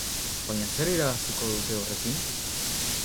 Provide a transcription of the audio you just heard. Baina zer irabaziko dute horrekin?